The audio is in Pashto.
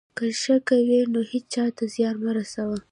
که ښه کوئ، نو هېچا ته زیان مه رسوئ.